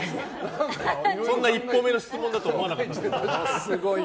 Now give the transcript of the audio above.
そんな一歩目の質問だと思わなかった。